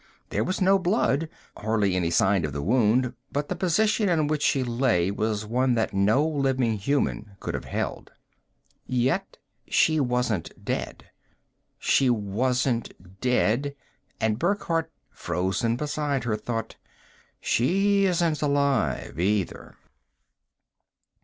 There was no blood, hardly any sign of the wound; but the position in which she lay was one that no living human being could have held. Yet she wasn't dead. She wasn't dead and Burckhardt, frozen beside her, thought: _She isn't alive, either.